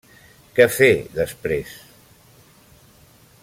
Què fer després?